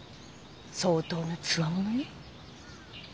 相当なつわものよ。